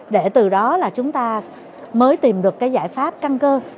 để từ đó là chúng ta mới tìm được cái giải pháp căn cơ